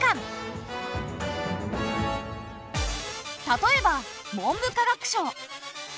例えば文部科学省。